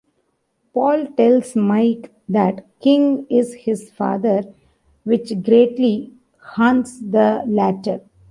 Paul tells Mike that King is his father, which greatly haunts the latter.